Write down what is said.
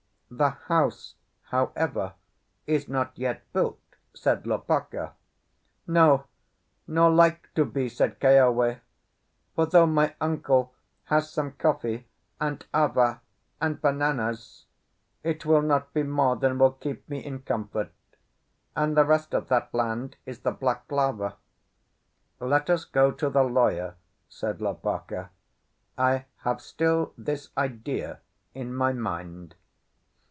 "The house, however, is not yet built," said Lopaka. "No, nor like to be!" said Keawe; "for though my uncle has some coffee and ava and bananas, it will not be more than will keep me in comfort; and the rest of that land is the black lava." "Let us go to the lawyer," said Lopaka; "I have still this idea in my mind."